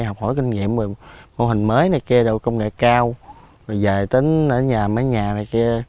học hỏi kinh nghiệm về mô hình mới này kia đâu công nghệ cao rồi về tính ở nhà mấy nhà này kia